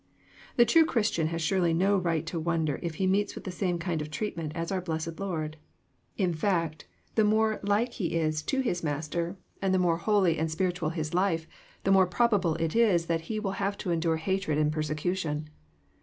'* The true Christian has surely no right to wonder if he meets with the same kind of treatment as our blessed Lord. In fact, the more like he is to his Master, and the more 216 EXPOSITOBT TQOUOHTS. holy and spiritual his life, the more probable is it that he will have to endure hatred and persecution.